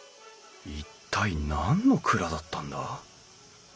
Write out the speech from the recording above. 一体何の蔵だったんだ？